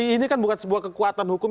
ini kan bukan sebuah kekuatan hukum